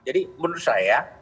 jadi menurut saya